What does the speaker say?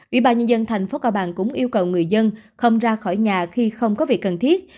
ủy ban nhân dân thành phố cao bằng cũng yêu cầu người dân không ra khỏi nhà khi không có việc cần thiết